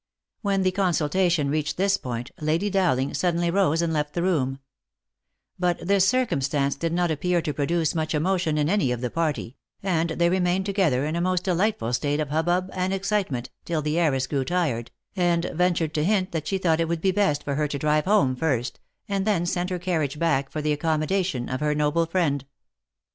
When the consultation reached this point, Lady Dowling sud denly rose and left the room ; but this circumstance did not appear to produce much emotion in any of the party, and they remained together in a most delightful state of hubbub and excitement till the heiress grew tired, and ventured to hint that she thought it would be best for her to drive home first, and then send her carriage back for the accommodation of her noble friend.